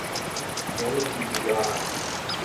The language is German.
Nämlich die Indianer.